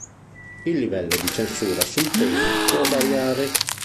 Il livello di censura sul pene può variare.